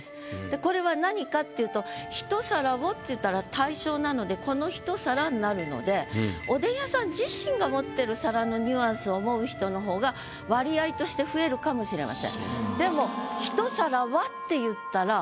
これは何かっていうと「一皿を」って言ったら対象なのでこの一皿になるのでニュアンスを思う人の方が割合として増えるかもしれません。